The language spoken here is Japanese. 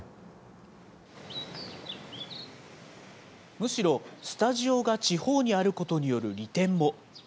むしろスタジオが地方にあることによる利点も。